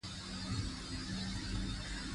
رښتیا ویل د شخصیت وقار زیاتوي.